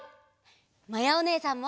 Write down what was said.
まやおねえさんも！